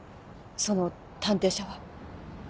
その探偵社は。